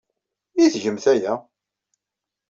I tgemt aya?